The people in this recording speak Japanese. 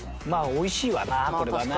美味しいわなこれはな。